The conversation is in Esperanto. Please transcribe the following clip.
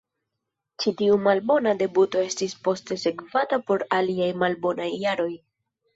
Ĉi tiu malbona debuto estis poste sekvata por aliaj malbonaj jaroj.